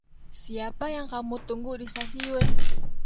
Siapa yang kamu tunggu di stasiun?